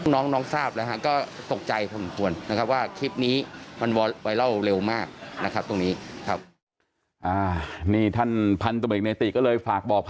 น้องทราบแล้วก็ตกใจควรว่าคลิปนี้มันไวร่อลเร็วมาก